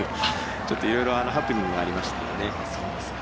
ちょっと、いろいろハプニングがありました。